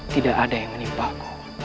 tidak ada yang menimpa aku